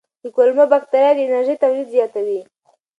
د کولمو بکتریاوې د انرژۍ تولید زیاتوي.